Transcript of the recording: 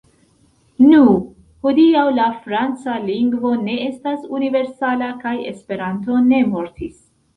Nu, hodiaŭ la franca lingvo ne estas universala, kaj Esperanto ne mortis.